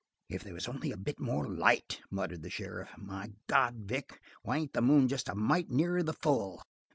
"If they was only a bit more light," muttered the sheriff. "My God, Vic, why ain't the moon jest a mite nearer the full!"